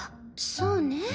そうね。